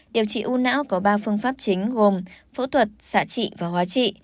điều trị u não có ba phương pháp chính gồm phẫu thuật xạ trị và hóa trị